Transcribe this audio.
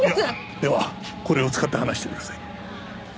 ではこれを使って話してください。